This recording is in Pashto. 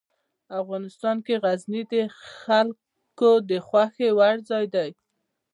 افغانستان کې غزني د خلکو د خوښې وړ ځای دی.